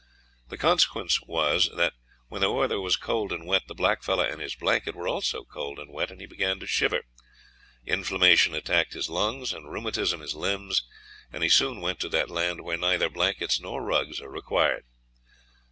The consequence was that when the weather was cold and wet, the blackfellow and his blanket were also cold and wet, and he began to shiver; inflammation attacked his lungs, and rheumatism his limbs, and he soon went to that land where neither blankets nor rugs are required.